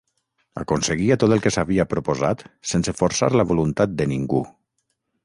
Aconseguia tot el que s’havia proposat sense forçar la voluntat de ningú.